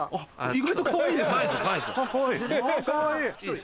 意外とかわいい。